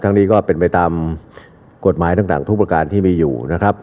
นี้ก็เป็นไปตามกฎหมายต่างทุกประการที่มีอยู่นะครับ